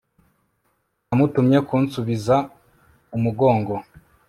namutumye kunsubiza umugongo